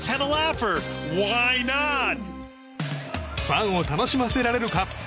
ファンを楽しませられるか。